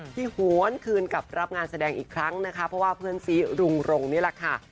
หวนคืนกลับรับงานแสดงอีกครั้งนะคะเพราะว่าเพื่อนซีรุงรงนี่แหละค่ะ